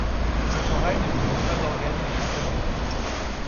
L'autorail ne présente pas d'organes de tamponnement.